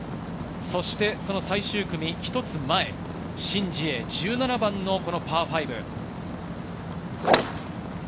そしてその最終組一つ前、シン・ジエ、１７番のパー５。